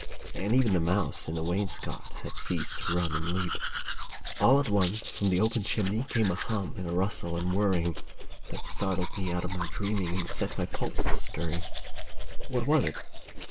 And even the mouse in the wainscot Had ceased to run and leap, All at once from the open chimney Came a hum and a rustle and whirring, That startled me out of my dreaming, And set my pulses stirring. What was it